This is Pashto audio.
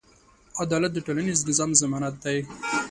عدالت د ټولنیز نظم ضمانت دی.